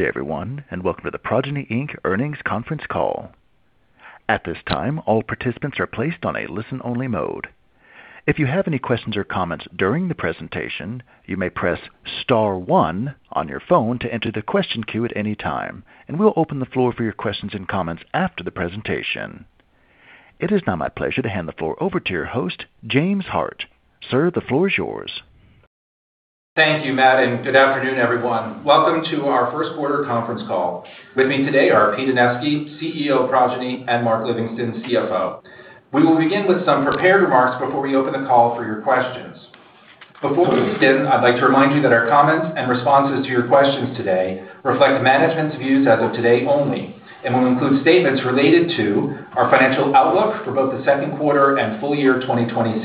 Good day, everyone, and welcome to the Progyny Inc. Earnings Conference Call. At this time all the participants are placed a on listen-only mode. If you have any questions or comments during the presentation you may press star one on your phone to enter the question queue at any time, we will open the floor for your comments after the presentation. And It is now my pleasure to hand the floor over to your host, James Hart. Sir, the floor is yours. Thank you, Matt. Good afternoon, everyone. Welcome to our first quarter conference call. With me today are Pete Anevski, CEO of Progyny, and Mark Livingston, CFO. We will begin with some prepared remarks before we open the call for your questions. Before we begin, I'd like to remind you that our comments and responses to your questions today reflect management's views as of today only and will include statements related to our financial outlook for both the second quarter and full year 2026,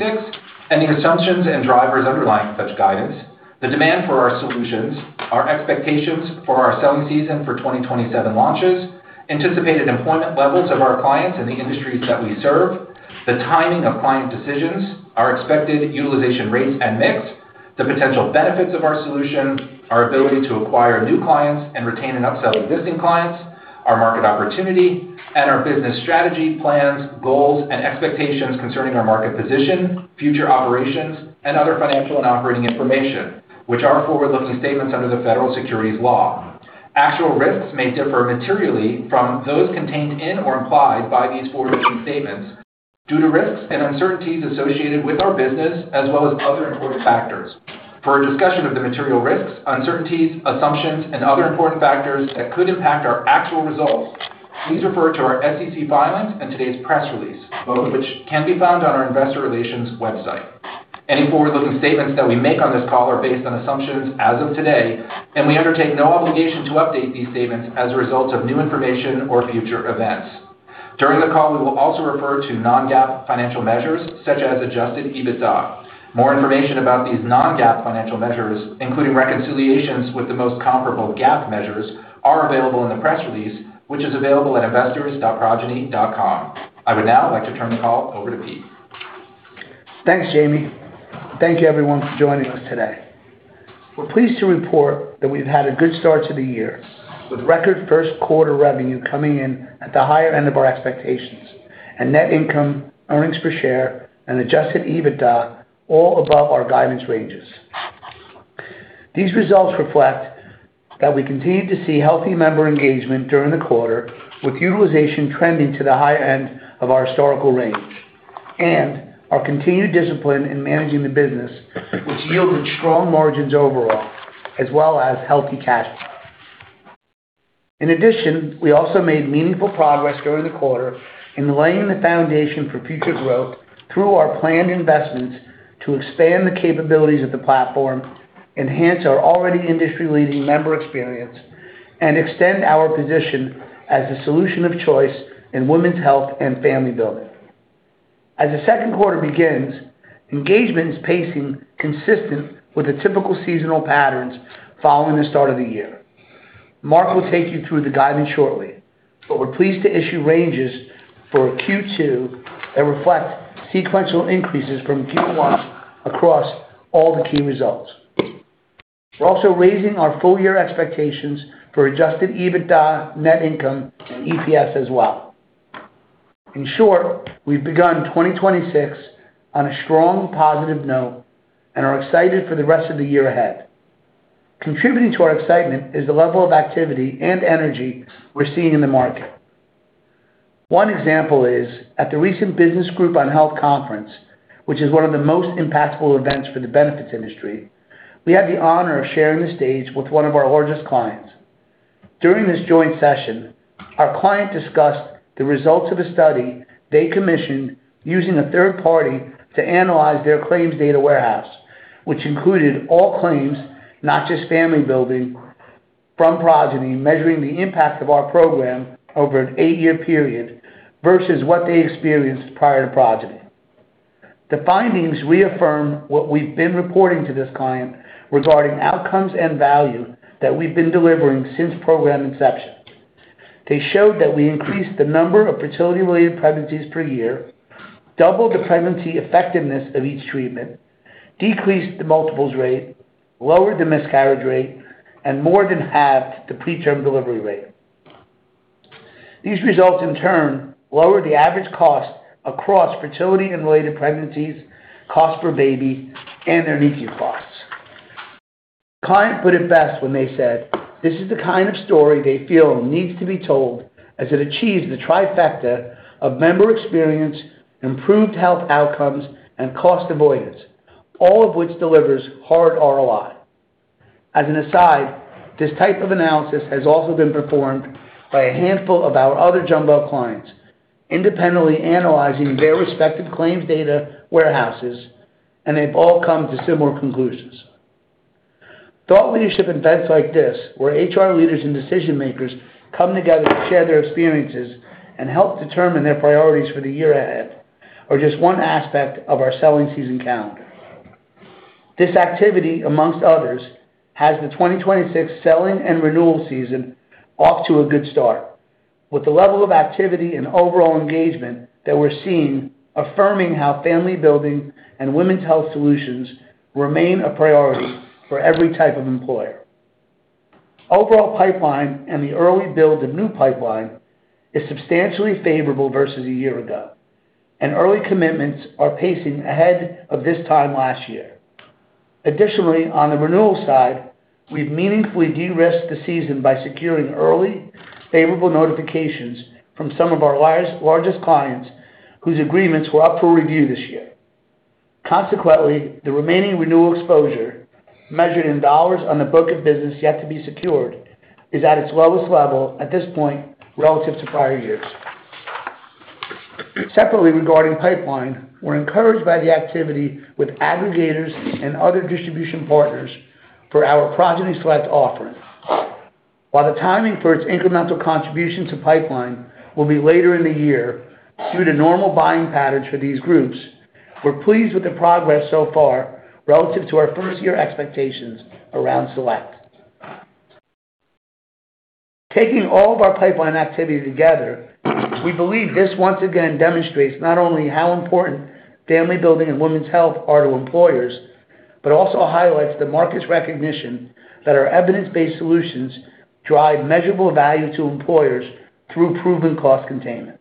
any assumptions and drivers underlying such guidance, the demand for our solutions, our expectations for our selling season for 2027 launches, anticipated employment levels of our clients in the industries that we serve, the timing of client decisions, our expected utilization rates and mix, the potential benefits of our solution, our ability to acquire new clients and retain and upsell existing clients, our market opportunity, and our business strategy, plans, goals, and expectations concerning our market position, future operations, and other financial and operating information, which are forward-looking statements under the Federal Securities law. Actual risks may differ materially from those contained in or implied by these forward-looking statements due to risks and uncertainties associated with our business as well as other important factors. For a discussion of the material risks, uncertainties, assumptions, and other important factors that could impact our actual results, please refer to our SEC filings and today's press release, both of which can be found on our investor relations website. Any forward-looking statements that we make on this call are based on assumptions as of today, and we undertake no obligation to update these statements as a result of new information or future events. During the call, we will also refer to non-GAAP financial measures such as adjusted EBITDA. More information about these non-GAAP financial measures, including reconciliations with the most comparable GAAP measures, are available in the press release, which is available at investors.progyny.com. I would now like to turn the call over to Pete. Thanks, Jamie. Thank you, everyone, for joining us today. We're pleased to report that we've had a good start to the year, with record first quarter revenue coming in at the higher end of our expectations and net income, earnings per share, and adjusted EBITDA all above our guidance ranges. These results reflect that we continued to see healthy member engagement during the quarter, with utilization trending to the high end of our historical range and our continued discipline in managing the business, which yielded strong margins overall as well as healthy cash flow. In addition, we also made meaningful progress during the quarter in laying the foundation for future growth through our planned investments to expand the capabilities of the platform, enhance our already industry-leading member experience, and extend our position as the solution of choice in women's health and family building. As the second quarter begins, engagement is pacing consistent with the typical seasonal patterns following the start of the year. Mark will take you through the guidance shortly, but we're pleased to issue ranges for Q2 that reflect sequential increases from Q1 across all the key results. We're also raising our full-year expectations for adjusted EBITDA, net income, and EPS as well. In short, we've begun 2026 on a strong, positive note and are excited for the rest of the year ahead. Contributing to our excitement is the level of activity and energy we're seeing in the market. One example is at the recent Business Group on Health Conference, which is one of the most impactful events for the benefits industry, we had the honor of sharing the stage with one of our largest clients. During this joint session, our client discussed the results of a study they commissioned using a third party to analyze their claims data warehouse, which included all claims, not just family building, from Progyny, measuring the impact of our program over an eight-year period versus what they experienced prior to Progyny. The findings reaffirm what we've been reporting to this client regarding outcomes and value that we've been delivering since program inception. They showed that we increased the number of fertility-related pregnancies per year, doubled the pregnancy effectiveness of each treatment, decreased the multiples rate, lowered the miscarriage rate, and more than halved the preterm delivery rate. These results, in turn, lowered the average cost across fertility and related pregnancies, cost per baby, and their NICU costs. Client put it best when they said, "This is the kind of story they feel needs to be told as it achieves the trifecta of member experience, improved health outcomes, and cost avoidance, all of which delivers hard ROI." As an aside, this type of analysis has also been performed by a handful of our other jumbo clients, independently analyzing their respective claims data warehouses, and they've all come to similar conclusions. Thought leadership events like this, where HR leaders and decision-makers come together to share their experiences and help determine their priorities for the year ahead, are just one aspect of our selling season calendar. This activity, amongst others, has the 2026 selling and renewal season off to a good start. With the level of activity and overall engagement that we're seeing affirming how family building and women's health solutions remain a priority for every type of employer. Overall pipeline and the early build of new pipeline is substantially favorable versus a year ago, and early commitments are pacing ahead of this time last year. Additionally, on the renewal side, we've meaningfully de-risked the season by securing early favorable notifications from some of our largest clients whose agreements were up for review this year. Consequently, the remaining renewal exposure measured in dollars on the book of business yet to be secured is at its lowest level at this point relative to prior years. Separately regarding pipeline, we're encouraged by the activity with aggregators and other distribution partners for our Progyny Select offering. While the timing for its incremental contribution to pipeline will be later in the year due to normal buying patterns for these groups, we're pleased with the progress so far relative to our first-year expectations around Select. Taking all of our pipeline activity together, we believe this once again demonstrates not only how important family building and women's health are to employers, but also highlights the market's recognition that our evidence-based solutions drive measurable value to employers through proven cost containment.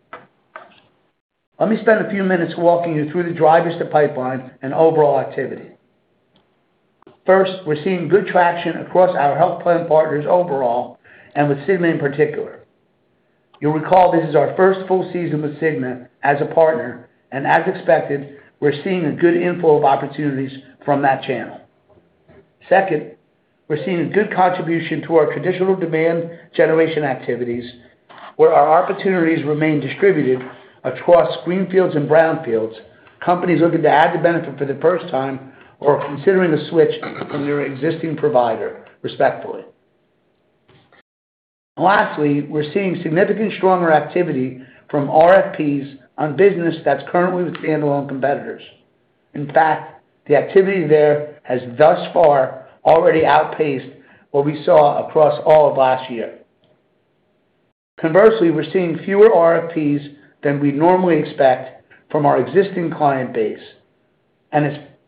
Let me spend a few minutes walking you through the drivers to pipeline and overall activity. We're seeing good traction across our health plan partners overall and with Cigna in particular. You'll recall this is our first full season with Cigna as a partner, and as expected, we're seeing a good inflow of opportunities from that channel. We're seeing a good contribution to our traditional demand generation activities, where our opportunities remain distributed across greenfields and brownfields, companies looking to add the benefit for the first time or considering a switch from their existing provider, respectively. Lastly, we're seeing significant stronger activity from RFPs on business that's currently with standalone competitors. In fact, the activity there has thus far already outpaced what we saw across all of last year. Conversely, we're seeing fewer RFPs than we'd normally expect from our existing client base. As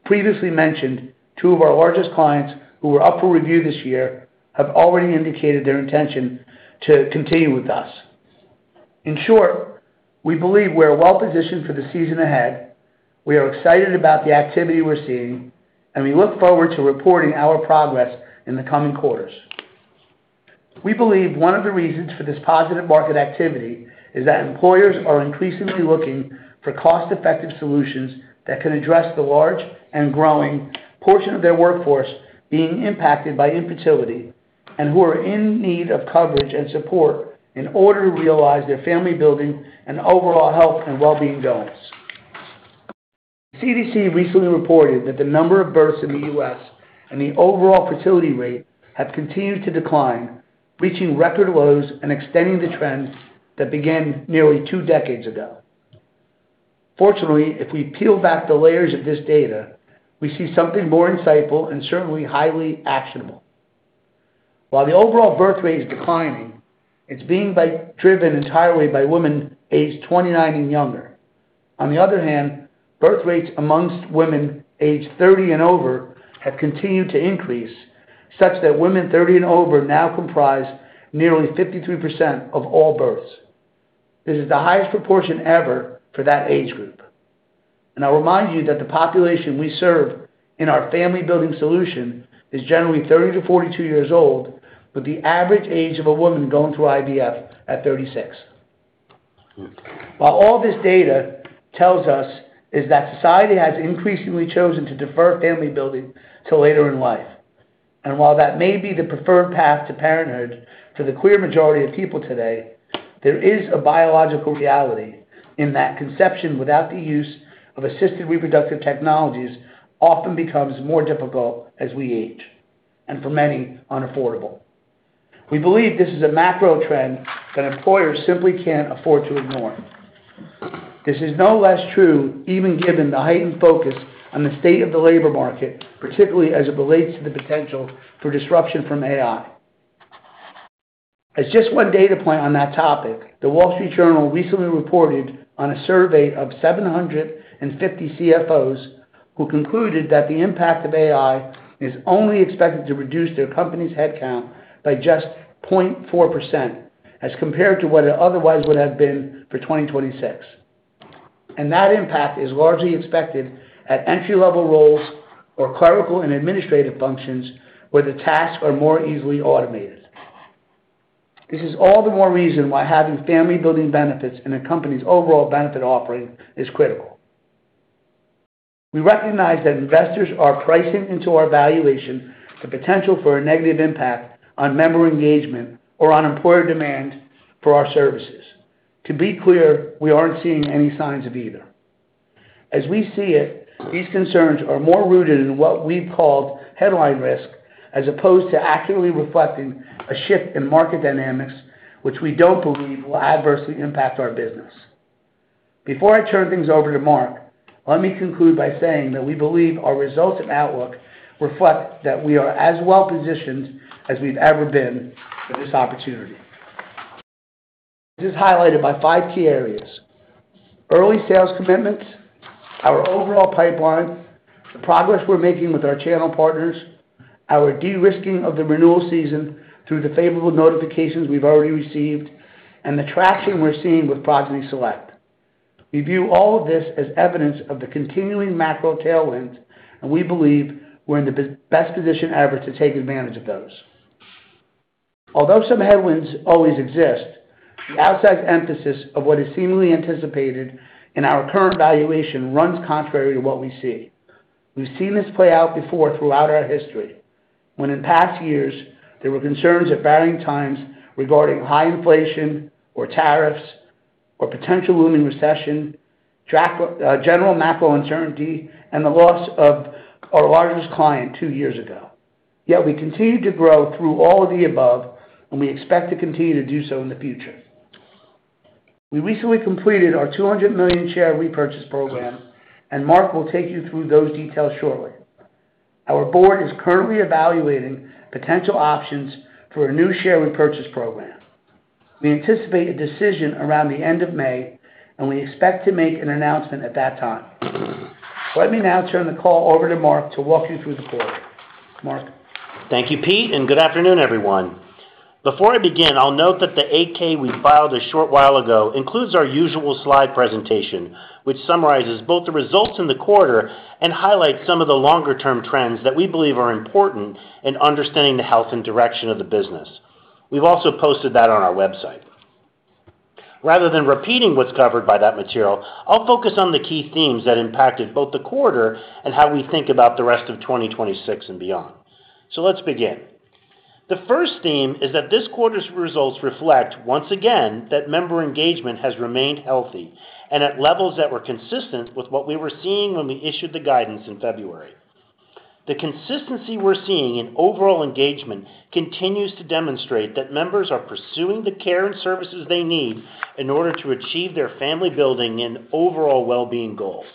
previously mentioned, two of our largest clients who were up for review this year have already indicated their intention to continue with us. In short, we believe we're well positioned for the season ahead. We are excited about the activity we're seeing, and we look forward to reporting our progress in the coming quarters. We believe one of the reasons for this positive market activity is that employers are increasingly looking for cost-effective solutions that can address the large and growing portion of their workforce being impacted by infertility and who are in need of coverage and support in order to realize their family building and overall health and well-being goals. The CDC recently reported that the number of births in the U.S. and the overall fertility rate have continued to decline, reaching record lows and extending the trend that began nearly two decades ago. Fortunately, if we peel back the layers of this data, we see something more insightful and certainly highly actionable. While the overall birth rate is declining, it's being driven entirely by women aged 29 and younger. On the other hand, birth rates amongst women aged 30 and over have continued to increase such that women 30 and over now comprise nearly 53% of all births. This is the highest proportion ever for that age group. I'll remind you that the population we serve in our family building solution is generally 30-42 years old, with the average age of a woman going through IVF at 36. What all this data tells us is that society has increasingly chosen to defer family building to later in life. While that may be the preferred path to parenthood for the clear majority of people today, there is a biological reality in that conception without the use of assisted reproductive technologies often becomes more difficult as we age, and for many, unaffordable. We believe this is a macro trend that employers simply can't afford to ignore. This is no less true even given the heightened focus on the state of the labor market, particularly as it relates to the potential for disruption from AI. As just one data point on that topic, The Wall Street Journal recently reported on a survey of 750 CFOs who concluded that the impact of AI is only expected to reduce their company's headcount by just 0.4% as compared to what it otherwise would have been for 2026. That impact is largely expected at entry-level roles or clerical and administrative functions where the tasks are more easily automated. This is all the more reason why having family building benefits in a company's overall benefit offering is critical. We recognize that investors are pricing into our valuation the potential for a negative impact on member engagement or on employer demand for our services. To be clear, we aren't seeing any signs of either. As we see it, these concerns are more rooted in what we've called headline risk as opposed to accurately reflecting a shift in market dynamics, which we don't believe will adversely impact our business. Before I turn things over to Mark, let me conclude by saying that we believe our results and outlook reflect that we are as well-positioned as we've ever been for this opportunity. This is highlighted by five key areas: early sales commitments, our overall pipeline, the progress we're making with our channel partners, our de-risking of the renewal season through the favorable notifications we've already received, and the traction we're seeing with Progyny Select. We view all of this as evidence of the continuing macro tailwinds, and we believe we're in the best position ever to take advantage of those. Although some headwinds always exist, the outside emphasis of what is seemingly anticipated in our current valuation runs contrary to what we see. We've seen this play out before throughout our history when in past years there were concerns at varying times regarding high inflation or tariffs or potential looming recession, general macro uncertainty, and the loss of our largest client two years ago. We continued to grow through all of the above, and we expect to continue to do so in the future. We recently completed our $200 million share repurchase program, and Mark will take you through those details shortly. Our board is currently evaluating potential options for a new share repurchase program. We anticipate a decision around the end of May, and we expect to make an announcement at that time. Let me now turn the call over to Mark to walk you through the quarter. Mark? Thank you, Pete, and good afternoon, everyone. Before I begin, I'll note that the 8K we filed a short while ago includes our usual slide presentation, which summarizes both the results in the quarter and highlights some of the longer-term trends that we believe are important in understanding the health and direction of the business. We've also posted that on our website. Rather than repeating what's covered by that material, I'll focus on the key themes that impacted both the quarter and how we think about the rest of 2026 and beyond. Let's begin. The first theme is that this quarter's results reflect once again that member engagement has remained healthy and at levels that were consistent with what we were seeing when we issued the guidance in February. The consistency we're seeing in overall engagement continues to demonstrate that members are pursuing the care and services they need in order to achieve their family-building and overall well-being goals.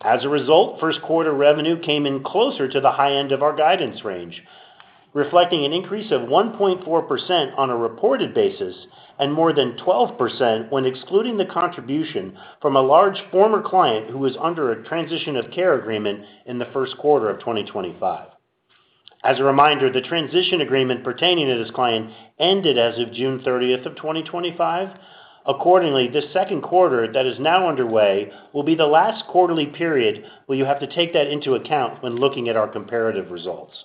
As a result first quarter revenue came in closer to the high end of our guidance range, reflecting an increase of 1.4% on a reported basis and more than 12% when excluding the contribution from a large former client who was under a transition of care agreement in the first quarter of 2025. As a reminder the transition agreement pertaining to this client ended as of June 30 of 2025. Accordingly This second quarter that is now underway will be the last quarterly period where you have to take that into account when looking at our comparative results.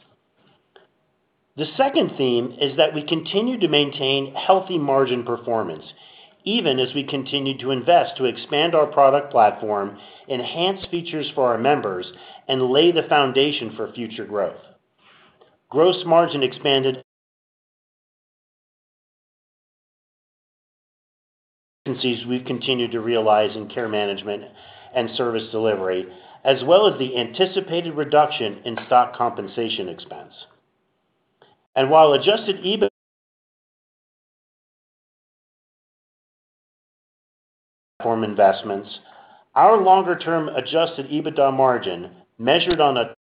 The second theme is that we continue to maintain healthy margin performance, even as we continue to invest to expand our product platform, enhance features for our members, and lay the foundation for future growth. Gross margin expanded efficiencies we've continued to realize in care management and service delivery, as well as the anticipated reduction in stock compensation expense. While adjusted EBITDA platform investments, our longer-term adjusted EBITDA margin measured on a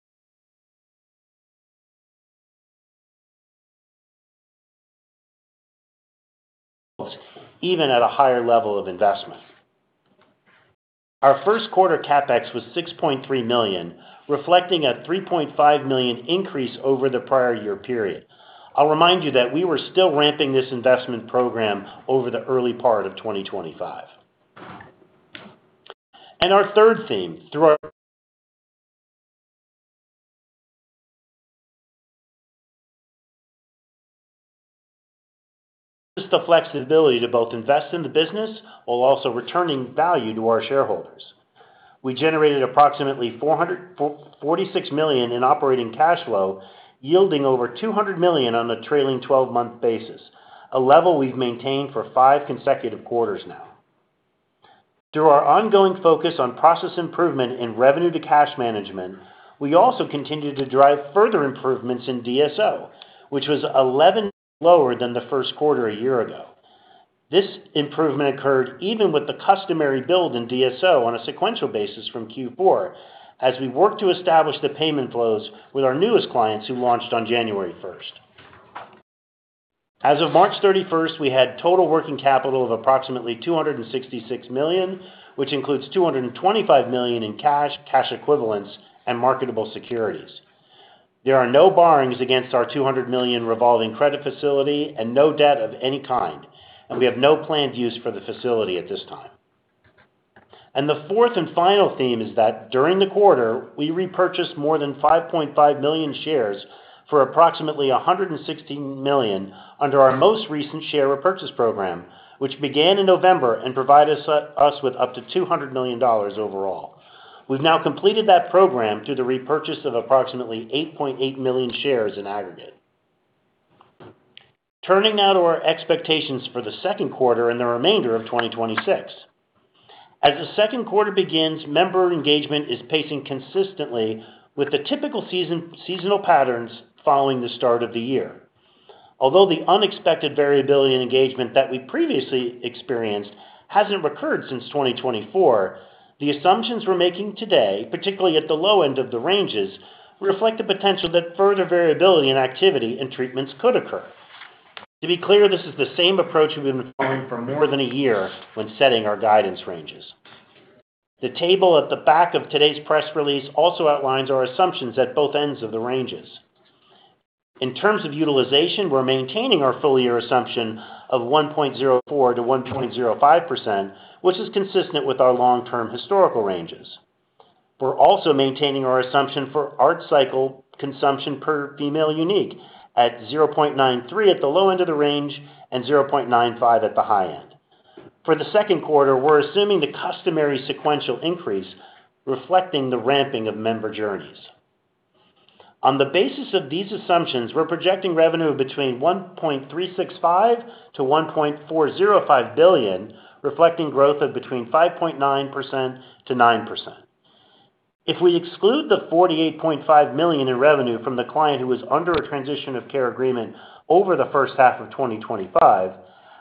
even at a higher level of investment. Our first quarter CapEx was $6.3 million, reflecting a $3.5 million increase over the prior-year period. I'll remind you that we were still ramping this investment program over the early part of 2025. Our third theme, through our use the flexibility to both invest in the business while also returning value to our shareholders. We generated approximately $446 million in operating cash flow, yielding over $200 million on a trailing 12-month basis, a level we've maintained for five consecutive quarters now. Through our ongoing focus on process improvement in revenue to cash management, we also continued to drive further improvements in DSO, which was 11 lower than first quarter a year ago. This improvement occurred even with the customary build in DSO on a sequential basis from Q4 as we worked to establish the payment flows with our newest clients who launched on January first. As of March 31, we had total working capital of approximately $266 million, which includes $225 million in cash equivalents, and marketable securities. There are no borrowings against our $200 million revolving credit facility and no debt of any kind, and we have no planned use for the facility at this time. The fourth and final theme is that during the quarter, we repurchased more than 5.5 million shares for approximately $160 million under our most recent share repurchase program, which began in November and provided us with up to $200 million overall. We've now completed that program through the repurchase of approximately 8.8 million shares in aggregate. Turning now to our expectations for the second quarter and the remainder of 2026. As the second quarter begins, member engagement is pacing consistently with the typical season, seasonal patterns following the start of the year. Although the unexpected variability in engagement that we previously experienced hasn't recurred since 2024, the assumptions we're making today, particularly at the low end of the ranges, reflect the potential that further variability in activity and treatments could occur. To be clear, this is the same approach we've been following for more than a year when setting our guidance ranges. The table at the back of today's press release also outlines our assumptions at both ends of the ranges. In terms of utilization, we're maintaining our full year assumption of 1.04%-1.05%, which is consistent with our long-term historical ranges. We're also maintaining our assumption for ART cycle consumption per female unique at 0.93 at the low end of the range and 0.95 at the high end. For the second quarter, we're assuming the customary sequential increase reflecting the ramping of member journeys. On the basis of these assumptions, we're projecting revenue of between $1.365 billion-$1.405 billion, reflecting growth of between 5.9%-9%. If we exclude the $48.5 million in revenue from the client who is under a transition of care agreement over the first half of 2025,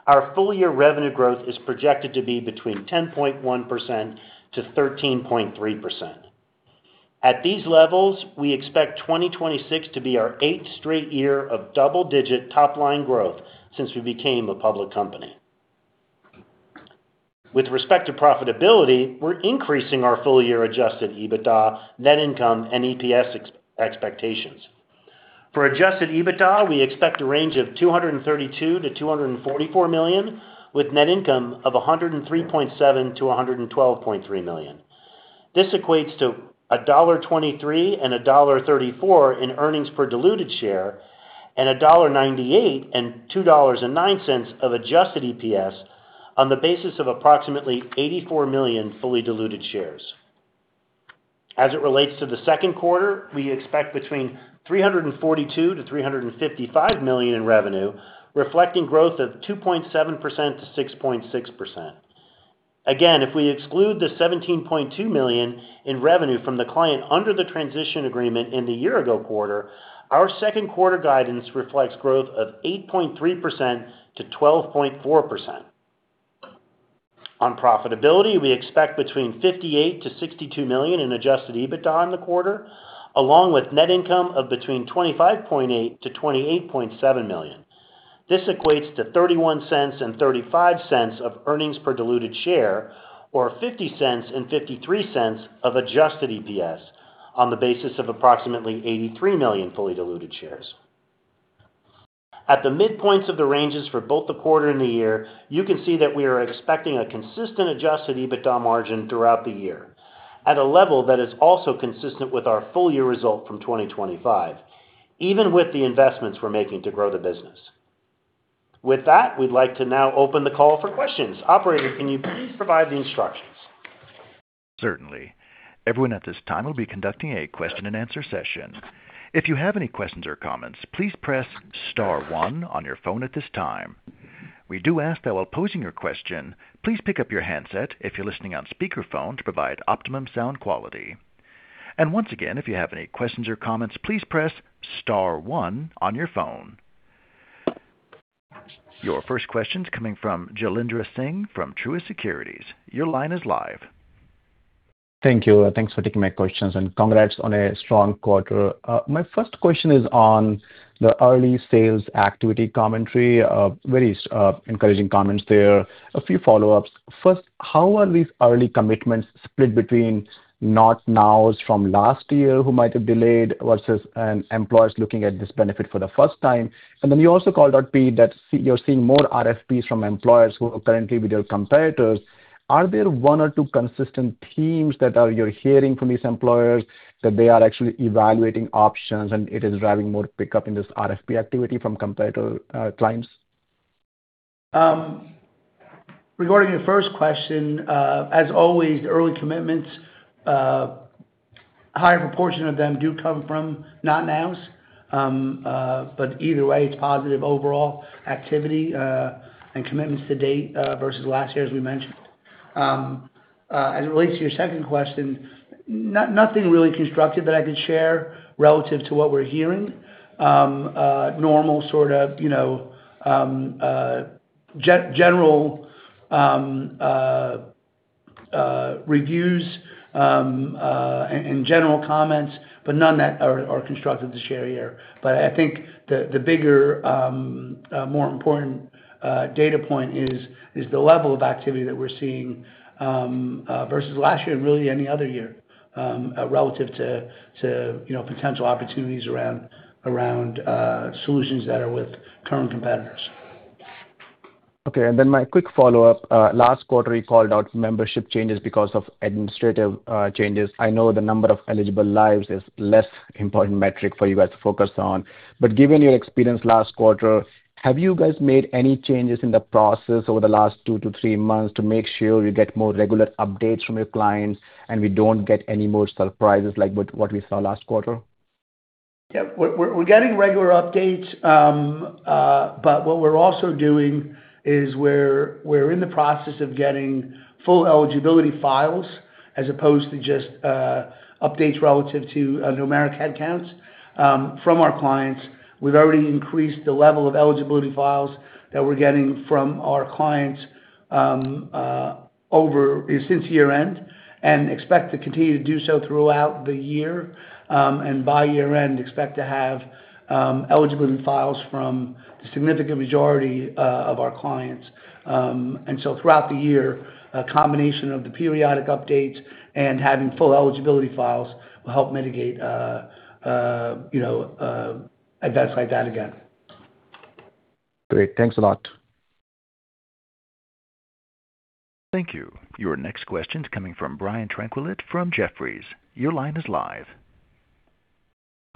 our full year revenue growth is projected to be between 10.1%-13.3%. At these levels, we expect 2026 to be our eighth straight year of double-digit top-line growth since we became a public company. With respect to profitability, we're increasing our full-year adjusted EBITDA, net income and EPS ex-expectations. For adjusted EBITDA, we expect a range of $232 million-$244 million, with net income of $103.7 million-$112.3 million. This equates to $1.23 and $1.34 in earnings per diluted share and $1.98 and $2.09 of adjusted EPS on the basis of approximately 84 million fully diluted shares. As it relates to the second quarter, we expect between $342 million-$355 million in revenue, reflecting growth of 2.7%-6.6%. Again, if we exclude the $17.2 million in revenue from the client under the transition agreement in the year ago quarter, our second quarter guidance reflects growth of 8.3%-12.4%. On profitability, we expect between $58 million-$62 million in adjusted EBITDA in the quarter, along with net income of between $25.8 million-$28.7 million. This equates to $0.31 and $0.35 of earnings per diluted share, or $0.50 and $0.53 of adjusted EPS on the basis of approximately 83 million fully diluted shares. At the midpoints of the ranges for both the quarter and the year, you can see that we are expecting a consistent adjusted EBITDA margin throughout the year at a level that is also consistent with our full year result from 2025, even with the investments we're making to grow the business. With that, we'd like to now open the call for questions. Operator, can you please provide the instructions? Certainly. Everyone at this time will be conducting a question-and-answer session. If you have any questions or comments, please press star one on your phone at this time. We do ask that while posing your question, please pick up your handset if you're listening on speakerphone to provide optimum sound quality. Once again, if you have any questions or comments, please press star one on your phone. Your first question's coming from Jailendra Singh from Truist Securities. Your line is live. Thank you. Thanks for taking my questions and congrats on a strong quarter. My first question is on the early sales activity commentary. Very encouraging comments there. A few follow-ups. First, how are these early commitments split between not nows from last year who might have delayed versus employers looking at this benefit for the first time? You also called out, Pete, that you're seeing more RFPs from employers who are currently with your competitors. Are there one or two consistent themes that you're hearing from these employers that they are actually evaluating options, and it is driving more pickup in this RFP activity from competitor clients? Regarding your first question, as always, early commitments, higher proportion of them do come from not nows. Either way, it's positive overall activity and commitments to date versus last year, as we mentioned. As it relates to your second question, nothing really constructive that I could share relative to what we're hearing. Normal sort of, you know, general reviews and general comments, but none that are constructive to share here. I think the bigger, more important data point is the level of activity that we're seeing versus last year and really any other year relative to, you know, potential opportunities around solutions that are with current competitors. Okay. My quick follow-up. Last quarter, you called out membership changes because of administrative changes. I know the number of eligible lives is less important metric for you guys to focus on. Given your experience last quarter, have you guys made any changes in the process over the last 2-3 months to make sure you get more regular updates from your clients and we don't get any more surprises like what we saw last quarter? Yeah. We're getting regular updates. What we're also doing is we're in the process of getting full eligibility files. As opposed to just updates relative to numeric headcounts from our clients. We've already increased the level of eligibility files that we're getting from our clients since year-end, and expect to continue to do so throughout the year. By year-end, expect to have eligibility files from the significant majority of our clients. Throughout the year, a combination of the periodic updates and having full eligibility files will help mitigate, you know, events like that again. Great. Thanks a lot. Thank you. Your next question's coming from Brian Tanquilut from Jefferies. Your line is live.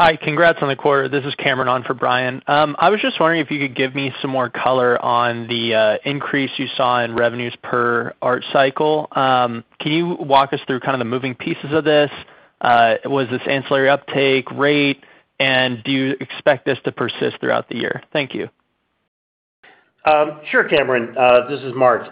Hi. Congrats on the quarter. This is Cameron on for Brian. I was just wondering if you could give me some more color on the increase you saw in revenues per ART cycle. Can you walk us through kind of the moving pieces of this? Was this ancillary uptake rate, and do you expect this to persist throughout the year? Thank you. Sure, Cameron. This is Mark.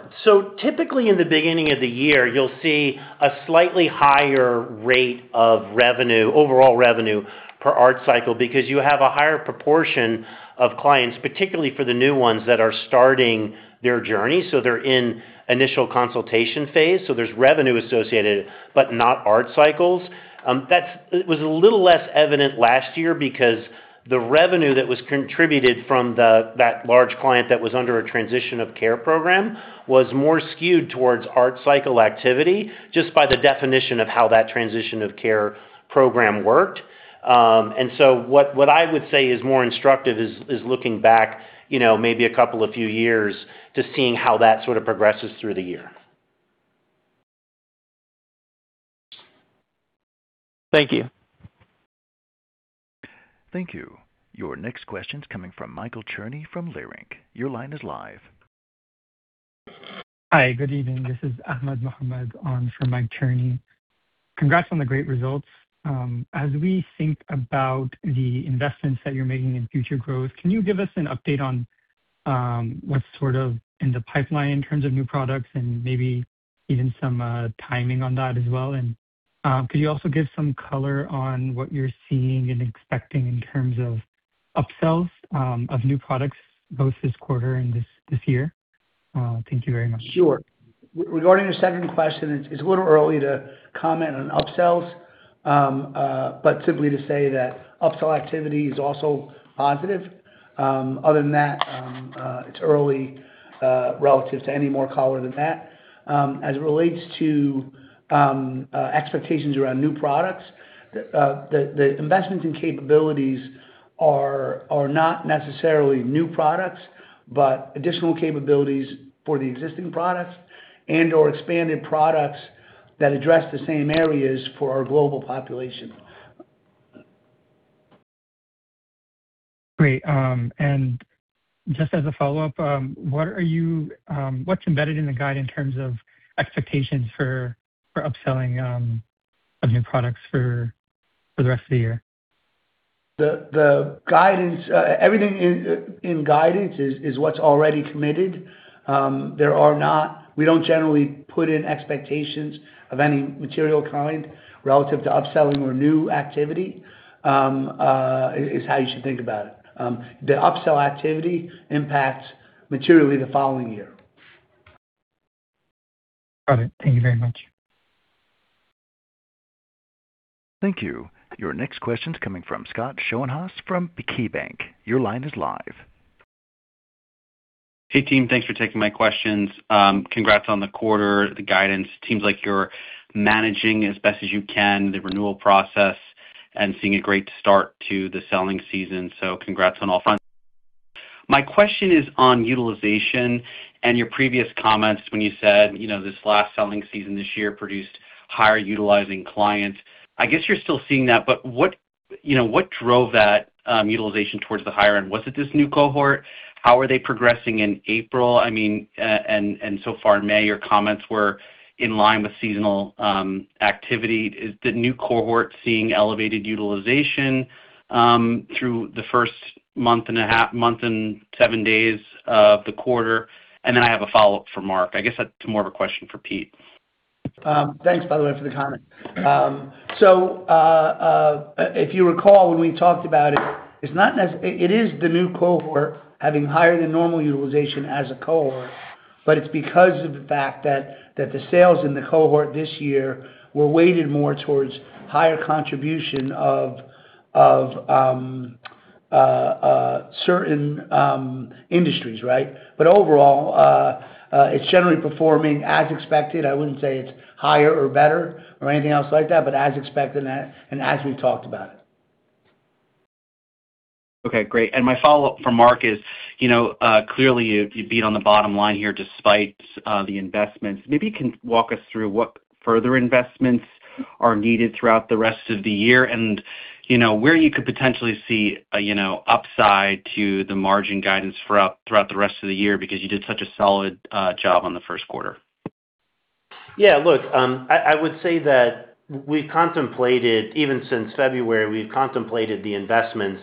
Typically in the beginning of the year, you'll see a slightly higher rate of revenue, overall revenue per ART cycle because you have a higher proportion of clients, particularly for the new ones that are starting their journey, so they're in initial consultation phase. There's revenue associated, but not ART cycles. It was a little less evident last year because the revenue that was contributed from the, that large client that was under a transition of care program was more skewed towards ART cycle activity just by the definition of how that transition of care program worked. What I would say is more instructive is looking back, you know, maybe a couple of few years to seeing how that sort of progresses through the year. Thank you. Thank you. Your next question's coming from Michael Cherny from Leerink. Your line is live. Hi. Good evening. This is Ahmed Muhammad on for Michael Cherny. Congrats on the great results. As we think about the investments that you're making in future growth, can you give us an update on what's sort of in the pipeline in terms of new products and maybe even some timing on that as well? Could you also give some color on what you're seeing and expecting in terms of upsells of new products both this quarter and this year? Thank you very much. Sure. Regarding your second question, it's a little early to comment on upsells. Simply to say that upsell activity is also positive. Other than that, it's early relative to any more color than that. As it relates to expectations around new products, the investments and capabilities are not necessarily new products, but additional capabilities for the existing products and/or expanded products that address the same areas for our global population. Great. Just as a follow-up, what's embedded in the guide in terms of expectations for upselling, of new products for the rest of the year? The guidance, everything in guidance is what's already committed. We don't generally put in expectations of any material kind relative to upselling or new activity, is how you should think about it. The upsell activity impacts materially the following year. Got it. Thank you very much. Thank you. Your next question's coming from Scott Schoenhaus from KeyBanc. Your line is live. Hey, team. Thanks for taking my questions. Congrats on the quarter, the guidance. Seems like you're managing as best as you can the renewal process and seeing a great start to the selling season. Congrats on all fronts. My question is on utilization and your previous comments when you said, you know, this last selling season this year produced higher utilizing clients. I guess you're still seeing that. What, you know, what drove that utilization towards the higher end? Was it this new cohort? How are they progressing in April? I mean, and so far in May, your comments were in line with seasonal activity. Is the new cohort seeing elevated utilization through the first month and a half, month and seven days of the quarter? Then I have a follow-up for Mark. I guess that's more of a question for Pete. Thanks, by the way, for the comment. If you recall, when we talked about it's not it is the new cohort having higher than normal utilization as a cohort, but it's because of the fact that the sales in the cohort this year were weighted more towards higher contribution of a certain industries, right? Overall, it's generally performing as expected. I wouldn't say it's higher or better or anything else like that, but as expected and as we talked about it. Okay, great. My follow-up for Mark is, clearly you beat on the bottom line here despite the investments. Maybe you can walk us through what further investments are needed throughout the rest of the year and where you could potentially see a upside to the margin guidance throughout the rest of the year because you did such a solid job on the first quarter. Yeah, look, I would say that we contemplated, even since February, we've contemplated the investments,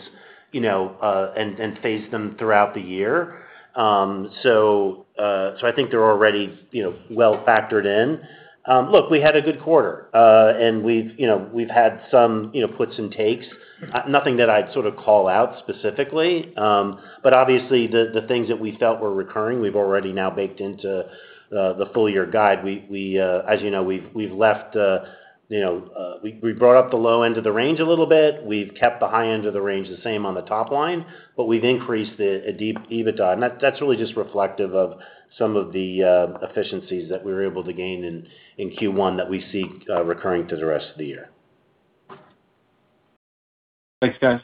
you know, and phase them throughout the year. I think they're already, you know, well-factored in. Look, we had a good quarter. We've, you know, we've had some, you know, puts and takes. Nothing that I'd sort of call out specifically. Obviously, the things that we felt were recurring, we've already now baked into the full year guide. We, as you know, we've left, brought up the low end of the range a little bit. We've kept the high end of the range the same on the top line, we've increased EBITDA. That's really just reflective of some of the efficiencies that we were able to gain in Q1 that we see recurring through the rest of the year. Thanks, guys.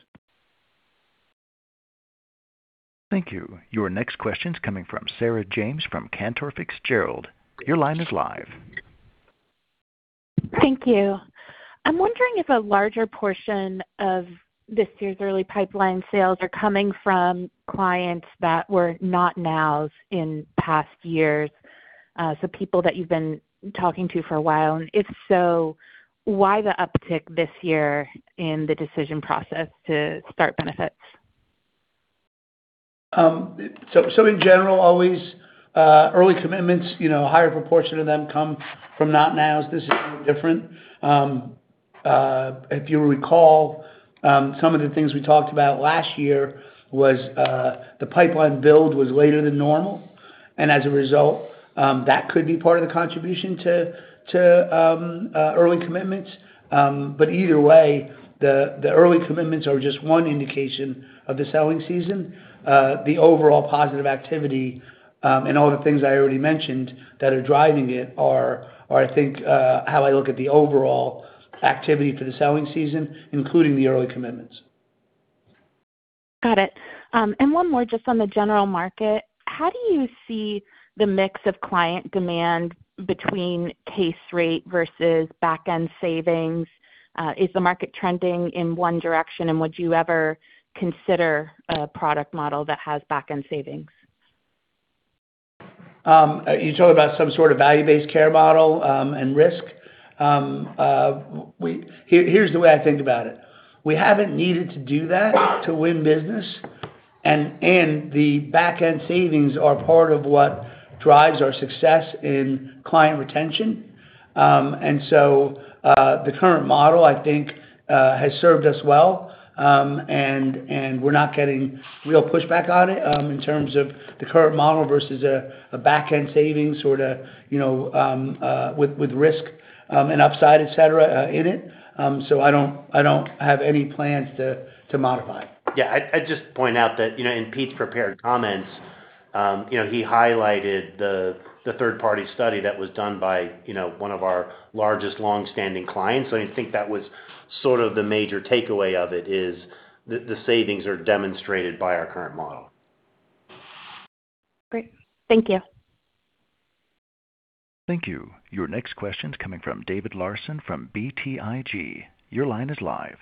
Thank you. Your next question's coming from Sarah James from Cantor Fitzgerald. Your line is live. Thank you. I'm wondering if a larger portion of this year's early pipeline sales are coming from clients that were not nows in past years, so people that you've been talking to for a while. If so, why the uptick this year in the decision process to start benefits? In general, always, early commitments, you know, a higher proportion of them come from not nows. This is no different. If you recall, some of the things we talked about last year was, the pipeline build was later than normal. As a result, that could be part of the contribution to early commitments. Either way, the early commitments are just one indication of the selling season. The overall positive activity, and all the things I already mentioned that are driving it are, I think, how I look at the overall activity for the selling season, including the early commitments. Got it. One more just on the general market. How do you see the mix of client demand between case rate versus back-end savings? Is the market trending in one direction? Would you ever consider a product model that has back-end savings? You're talking about some sort of value-based care model and risk? Here's the way I think about it. We haven't needed to do that to win business, and the back-end savings are part of what drives our success in client retention. The current model, I think, has served us well. We're not getting real pushback on it in terms of the current model versus a back-end savings sort of, you know, with risk and upside, et cetera, in it. I don't have any plans to modify. Yeah. I'd just point out that in Pete's prepared comments, he highlighted the third-party study that was done by one of our largest longstanding clients. I think that was sort of the major takeaway of it, is the savings are demonstrated by our current model. Great. Thank you. Thank you. Your next question's coming from David Larsen from BTIG. Your line is live.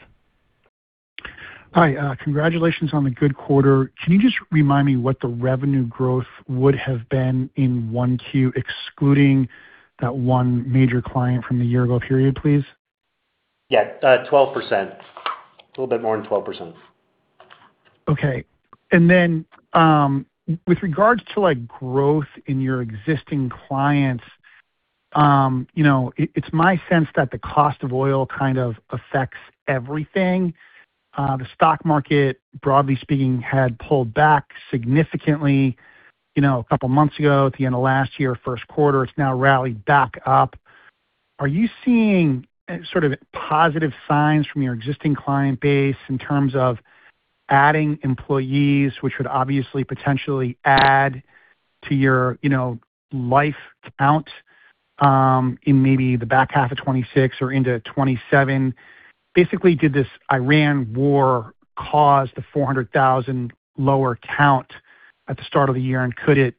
Hi. Congratulations on the good quarter. Can you just remind me what the revenue growth would have been in 1Q, excluding that one major client from the year ago period, please? Yeah. 12%. A little bit more than 12%. Okay. Then, with regards to, like, growth in your existing clients, it's my sense that the cost of oil kind of affects everything. The stock market, broadly speaking, had pulled back significantly, a couple of months ago at the end of last year, first quarter. It's now rallied back up. Are you seeing sort of positive signs from your existing client base in terms of adding employees, which would obviously potentially add to your life count, in maybe the back half of 2026 or into 2027? Basically, did this Iran war cause the 400,000 lower count at the start of the year, and could it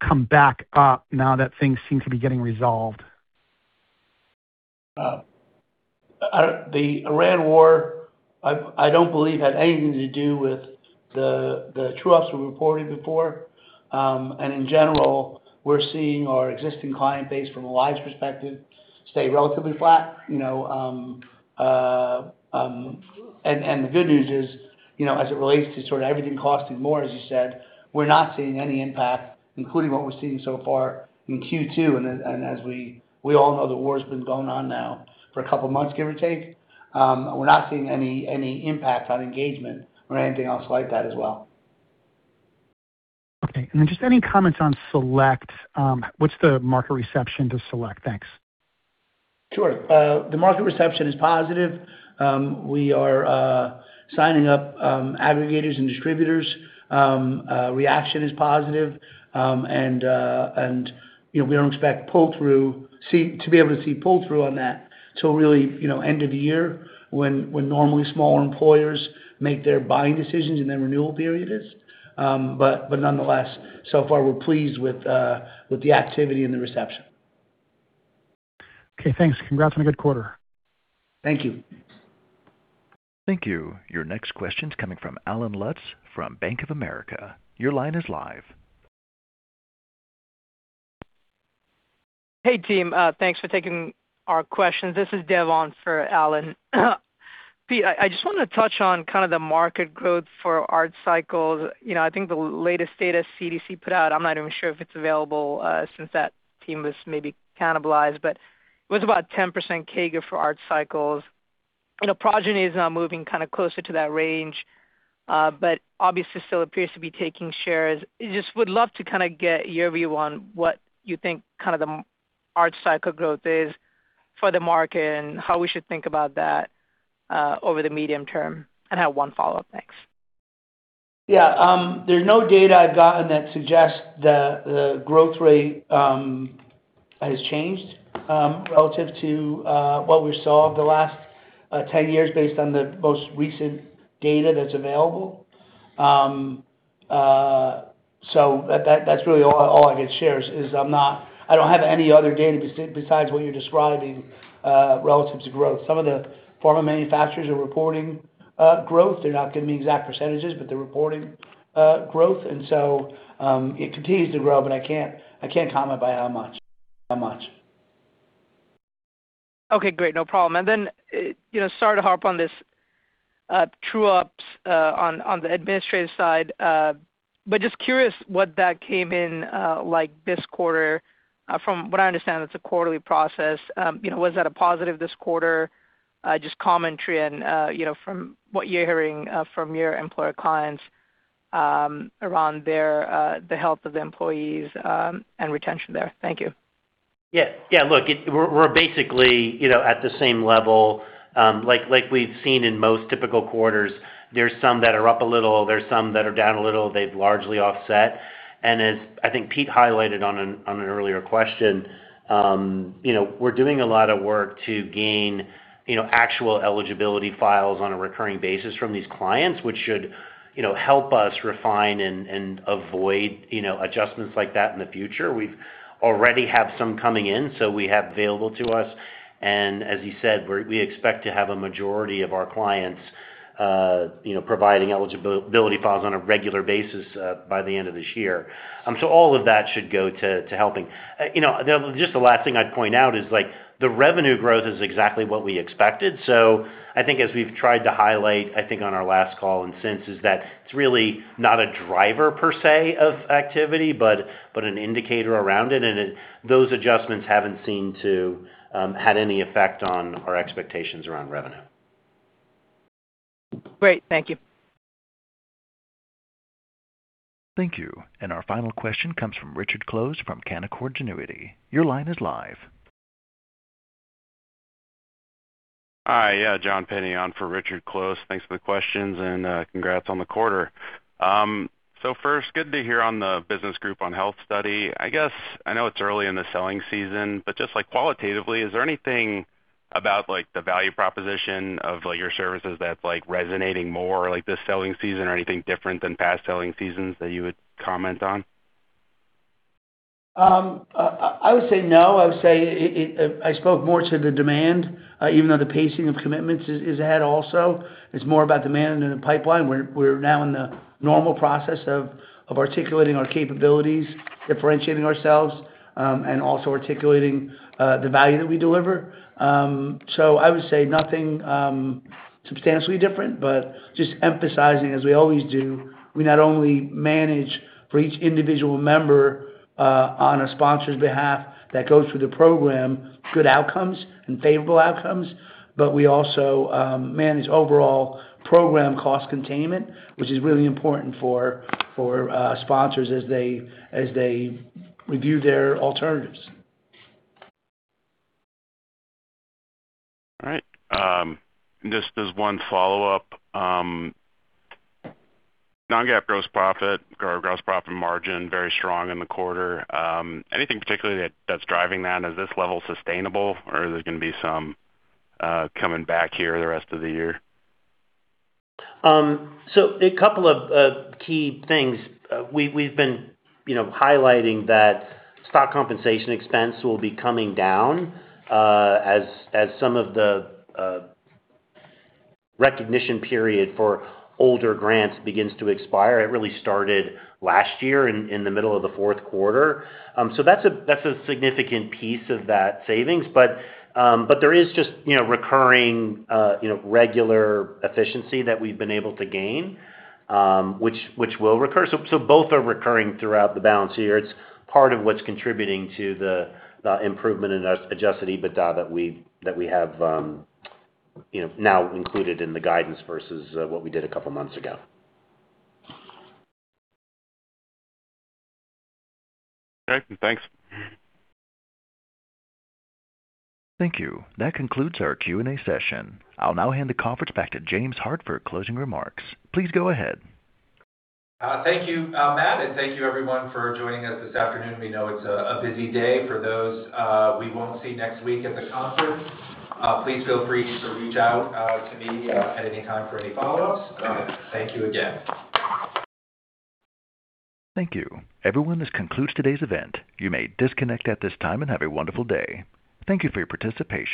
come back up now that things seem to be getting resolved? The Iran war, I don't believe had anything to do with the true ups we reported before. In general, we're seeing our existing client base from a lives perspective stay relatively flat, you know. The good news is, you know, as it relates to sort of everything costing more, as you said, we're not seeing any impact, including what we're seeing so far in Q2. As we all know the war's been going on now for a couple of months, give or take. We're not seeing any impact on engagement or anything else like that as well. Okay. Just any comments on Select. What's the market reception to Select? Thanks. Sure. The market reception is positive. We are signing up aggregators and distributors. Reaction is positive. You know, we don't expect pull through to be able to see pull through on that till really, you know, end of the year when normally smaller employers make their buying decisions and their renewal period is. Nonetheless, so far we're pleased with the activity and the reception. Okay, thanks. Congrats on a good quarter. Thank you. Thank you. Your next question's coming from Allen Lutz from Bank of America. Your line is live. Hey, team. Thanks for taking our questions. This is Devon for Allen. Pete, I just wanna touch on kind of the market growth for ART cycles. You know, I think the latest data CDC put out, I'm not even sure if it's available, since that team was maybe cannibalized, but it was about 10% CAGR for ART cycles. You know, Progyny is now moving kind of closer to that range, but obviously still appears to be taking shares. I just would love to kinda get your view on what you think kind of the ART cycle growth is for the market and how we should think about that over the medium term. I have one follow-up. Thanks. Yeah. There's no data I've gotten that suggests the growth rate has changed relative to what we saw over the last 10 years based on the most recent data that's available. That's really all I can share is I don't have any other data besides what you're describing relative to growth. Some of the pharma manufacturers are reporting growth. They're not giving me exact percentages, but they're reporting growth. It continues to grow, but I can't comment by how much. Okay, great. No problem. You know, sorry to harp on this true-ups on the administrative side, but just curious what that came in like this quarter. From what I understand, it's a quarterly process. You know, was that a positive this quarter? Just commentary and, from what you're hearing from your employer clients around their the health of the employees and retention there. Thank you. Yeah, look, we're basically at the same level, like we've seen in most typical quarters. There's some that are up a little, there's some that are down a little. They've largely offset. As I think Pete highlighted on an earlier question, we're doing a lot of work to gain, you know, actual eligibility files on a recurring basis from these clients, which should help us refine and avoid, you know, adjustments like that in the future. We've already have some coming in, so we have available to us. As he said, we expect to have a majority of our clients, providing eligibility files on a regular basis by the end of this year. All of that should go to helping. You know, the, just the last thing I'd point out is like the revenue growth is exactly what we expected. I think as we've tried to highlight, I think on our last call and since, is that it's really not a driver per se of activity, but an indicator around it. Those adjustments haven't seemed to had any effect on our expectations around revenue. Great. Thank you. Thank you. Our final question comes from Richard Close from Canaccord Genuity. Your line is live. Hi. Yeah, John Pinney on for Richard Close. Thanks for the questions and congrats on the quarter. First, good to hear on the Business Group on Health study. I guess I know it's early in the selling season, just like qualitatively, is there anything about like the value proposition of like your services that's like resonating more like this selling season or anything different than past selling seasons that you would comment on? I would say no. I would say I spoke more to the demand, even though the pacing of commitments is ahead also. It's more about demand in the pipeline. We're now in the normal process of articulating our capabilities, differentiating ourselves, and also articulating the value that we deliver. I would say nothing substantially different, but just emphasizing as we always do, we not only manage for each individual member on a sponsor's behalf that goes through the program, good outcomes and favorable outcomes, but we also manage overall program cost containment, which is really important for sponsors as they review their alternatives. All right. Just one follow-up. Non-GAAP gross profit or gross profit margin, very strong in the quarter. Anything particularly that's driving that? Is this level sustainable or is there gonna be some coming back here the rest of the year? A couple of key things. We've been, you know, highlighting that stock compensation expense will be coming down as some of the recognition period for older grants begins to expire. It really started last year in the middle of the fourth quarter. That's a significant piece of that savings. There is just, recurring, regular efficiency that we've been able to gain, which will recur. Both are recurring throughout the balance here. It's part of what's contributing to the improvement in the adjusted EBITDA that we have, you know, now included in the guidance versus what we did a couple months ago. Okay. Thanks. Thank you. That concludes our Q&A session. I'll now hand the conference back to James Hart for closing remarks. Please go ahead. Thank you, Matt, and thank you everyone for joining us this afternoon. We know it's a busy day. For those we won't see next week at the conference, please feel free to reach out to me at any time for any follow-ups. Thank you again. Thank you. Everyone, this concludes today's event. You may disconnect at this time and have a wonderful day. Thank you for your participation.